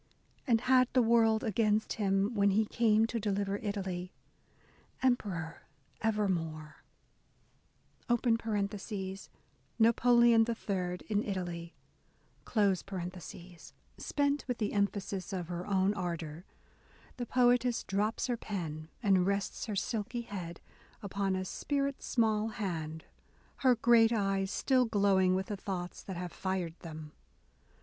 And had the world against him when He came to deliver Italy. Emperor Evermore." (Napoleon III. in Italy,) A DAY WITH E. B. BROWNING Spent with the emphasis of her own ardour, the poetess drops her pen and rests her silky head upon a "spirit small hand," her great eyes still glowing with the thoughts that have fired them.